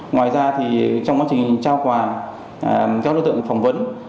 ngoài ra thì trong quá trình trao quà cho đối tượng phỏng vấn